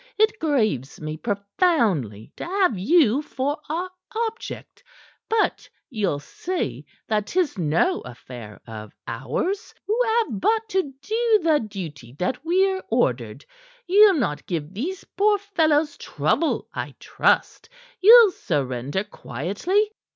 It grieves me profoundly to have you for our object. But ye'll see that 'tis no affair of ours, who have but to do the duty that we're ordered. Ye'll not give these poor fellows trouble, I trust. Ye'll surrender quietly."